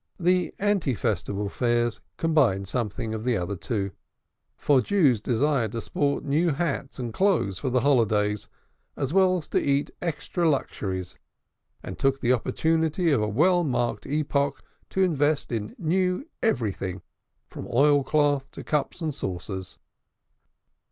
The Ante Festival Fairs combined something of the other two, for Jews desired to sport new hats and clothes for the holidays as well as to eat extra luxuries, and took the opportunity of a well marked epoch to invest in new everythings from oil cloth to cups and saucers.